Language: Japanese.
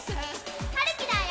はるきだよ！